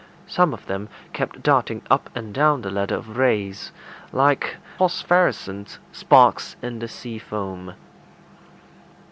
Some of them kept darting up and down the ladder of rays, like phosphorescent sparks in the sea foam.